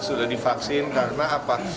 sudah divaksin karena apa